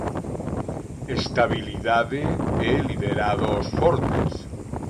Estabilidade e liderados fortes.